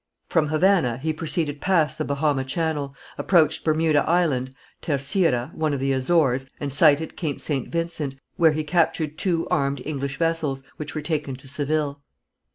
From Havana he proceeded past the Bahama channel, approached Bermuda Island, Terceira, one of the Azores, and sighted Cape St. Vincent, where he captured two armed English vessels, which were taken to Seville.